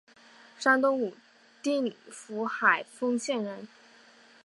山东武定府海丰县人。